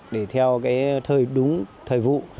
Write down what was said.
để theo cái thời đúng thời vụ